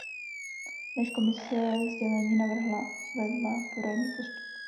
Než Komise sdělení navrhla, vedla poradní postup.